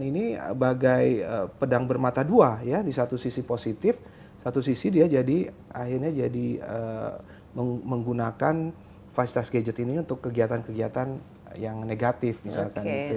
ini bagai pedang bermata dua ya di satu sisi positif satu sisi dia jadi akhirnya jadi menggunakan fasilitas gadget ini untuk kegiatan kegiatan yang negatif misalkan gitu